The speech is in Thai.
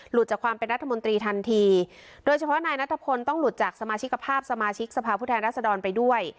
จากความเป็นรัฐมนตรีทันทีโดยเฉพาะนายนัทพลต้องหลุดจากสมาชิกภาพสมาชิกสภาพผู้แทนรัศดรไปด้วย